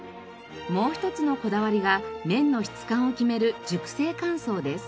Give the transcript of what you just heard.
もう一つのこだわりが麺の質感を決める熟成乾燥です。